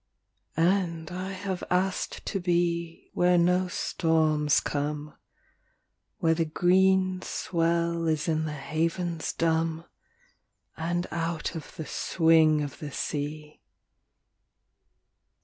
And I have asked to be Where no storms come, Where the green swell is in the havens dumb, And out of the swing of the sea.